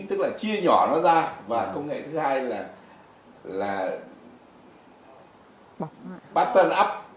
tức là chia nhỏ nó ra và công nghệ thứ hai là pattern up